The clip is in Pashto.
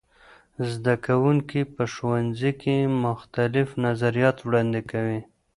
زده کوونکي په ښوونځي کې مختلف نظریات وړاندې کوي.